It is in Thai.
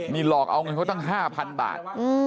นี่หลอกเอาเงินเขาตั้ง๕๐๐๐บาท